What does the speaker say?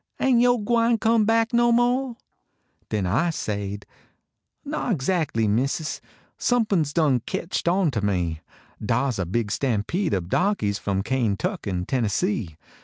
Ain yo gwine come back no mo ?" Den I sade :" Not x.ackly, missus ; Somepin s done ketched ontah me. Dar s a big stampede ob darkies From Kaintnck en Tennessee.